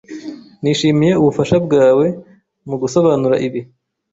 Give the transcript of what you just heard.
Nishimiye ubufasha bwawe mugusobanura ibi.